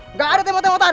nggak ada temutan temutan